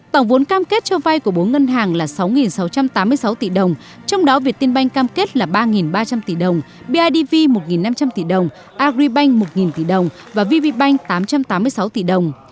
tổng vốn cam kết cho vay của bốn ngân hàng là sáu sáu trăm tám mươi sáu tỷ đồng trong đó việt tiên banh cam kết là ba ba trăm linh tỷ đồng bidv một năm trăm linh tỷ đồng agribank một tỷ đồng và vv bank tám trăm tám mươi sáu tỷ đồng